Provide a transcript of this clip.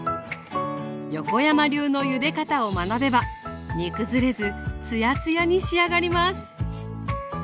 横山流のゆで方を学べば煮崩れずつやつやに仕上がります。